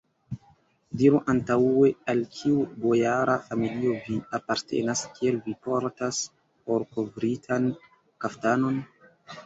Diru antaŭe, al kiu bojara familio vi apartenas, kial vi portas orkovritan kaftanon?